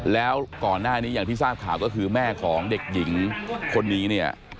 แล้วก่อนหน้านี้อย่างที่ทราบข่าวก็คือแม่ของเด็กหญิงคนนี้เนี่ย